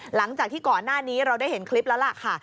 หลังจากที่ก่อนหน้านี้เราได้เห็นคลิปแล้วล่ะค่ะ